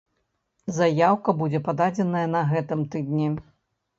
Заяўка будзе пададзеная на гэтым тыдні.